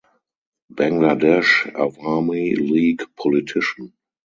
Bangladesh Awami League politician.